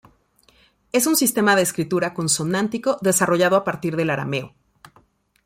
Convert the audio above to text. Es un sistema de escritura consonántico, desarrollado a partir del arameo.